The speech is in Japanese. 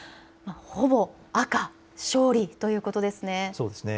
ほぼ赤勝利ということですね。